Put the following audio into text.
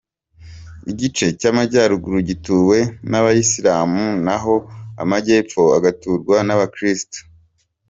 Igice cy’Amajyaruguru gituwe n’abayisilamu naho Amajyepfo agaturwamo n’abakirisitu.